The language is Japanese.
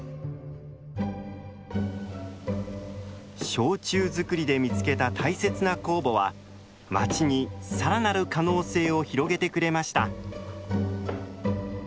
焼酎造りで見つけた大切な酵母は町に更なる可能性を広げてくれました。